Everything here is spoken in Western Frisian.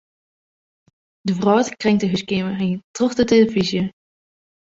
De wrâld kringt de húskeamer yn troch de telefyzje.